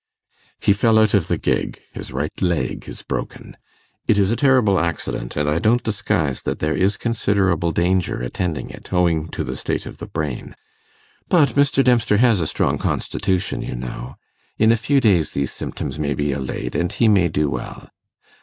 'He fell out of the gig; the right leg is broken. It is a terrible accident, and I don't disguise that there is considerable danger attending it, owing to the state of the brain. But Mr. Dempster has a strong constitution, you know; in a few days these symptoms may be allayed, and he may do well.